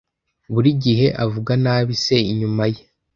Buri gihe avuga nabi se inyuma ye.